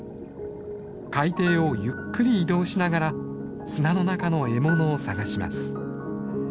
海底をゆっくり移動しながら砂の中の獲物を探します。